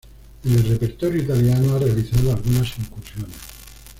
En el repertorio italiano ha realizado algunas incursiones.